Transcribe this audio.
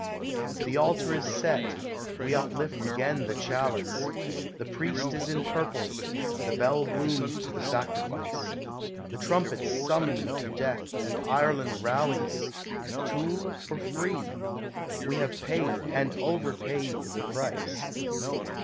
The altar is set; we uplift again the chalice; The priest is in purple; the bell booms to the sacrifice. The trumpets summon to death, and Ireland rallies Tool or free? We have paid, and over paid, the price.